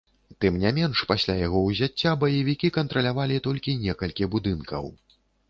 Тым не менш, пасля яго ўзяцця, баевікі кантралявалі толькі некалькі будынкаў.